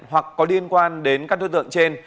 hoặc có liên quan đến các đối tượng trên